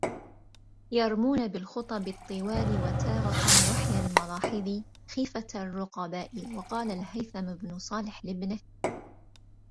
يَرْمُونَ بِالْخُطَبِ الطِّوَالِ وَتَارَةً وَحْيَ الْمَلَاحِظِ خِيفَةَ الرُّقَبَاءِ وَقَالَ الْهَيْثَمُ بْنُ صَالِحٍ لِابْنِهِ